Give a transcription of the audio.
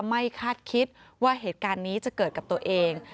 คาดคิดว่าเหตุการณ์นี้จะเกิดกับตัวเอง